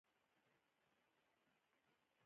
پاندا ولې بانس خوښوي؟